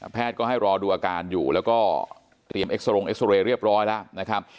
ก็ให้รอดูอาการอยู่แล้วก็เตรียมเอ็กซรงเอ็กซอเรย์เรียบร้อยแล้วนะครับ